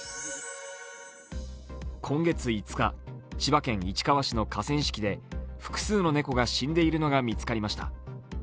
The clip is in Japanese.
今月５日、千葉県市川市の河川敷で複数の猫が死んでいるのが見つかりました。